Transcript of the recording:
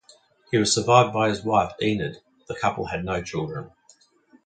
He was survived by his wife Enid; the couple had had no children.